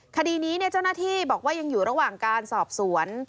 คดีนี้เจ้าหน้าที่บอกว่ายังอยู่ระหว่างการสอบสวน